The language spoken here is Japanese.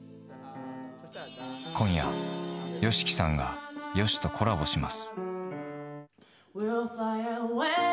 今夜、ＹＯＳＨＩＫＩさんがＹＯＳＨＩとコラボします。